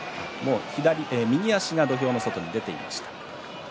右足が土俵の外に出ていました。